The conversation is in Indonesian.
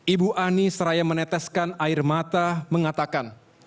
ibu ani seraya meneteskan air mata mengatakan